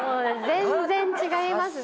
全然違いますね。